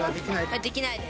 できないです。